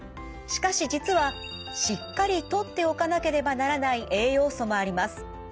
しかし実はしっかりとっておかなければならない栄養素もあります。